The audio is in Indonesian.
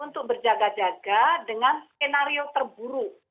untuk berjaga jaga dengan skenario terburuk